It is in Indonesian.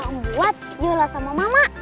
yang buat yulah sama mama